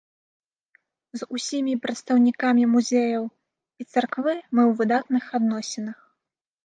З усімі прадстаўнікамі музеяў і царквы мы ў выдатных адносінах.